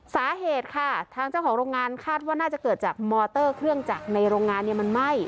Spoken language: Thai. สาเหตุค่ะทางเจ้าของโรงงานคาดว่าน่าจะเกิดจากมอเตอร์เครื่องจักรในโรงงานเนี่ยมันไหม้